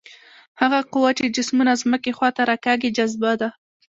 هغه قوه چې جسمونه ځمکې خواته راکاږي جاذبه ده.